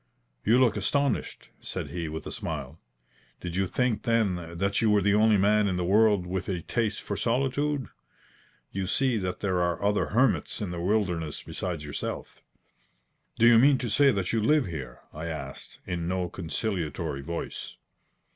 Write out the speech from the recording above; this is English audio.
"You look astonished," said he, with a smile. "Did you think, then, that you were the only man in the world with a taste for solitude? You see that there are other hermits in the wilderness besides yourself." "Do you mean to say that you live here?" I asked in no conciliatory voice.